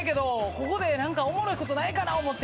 「ここで何かおもろいことないかな思って」